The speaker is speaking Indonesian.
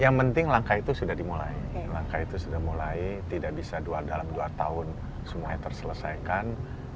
yang penting langkah itu sudah dimulai langkah itu sudah mulai tidak bisa dalam dua tahun semuanya terselesaikan